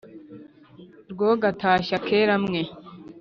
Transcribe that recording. mwo gatashya kera mwe,